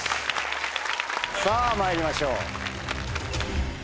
さぁまいりましょう。